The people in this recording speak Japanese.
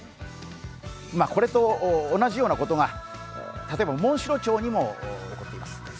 これと同じようなことが例えばモンシロチョウにも起こっています。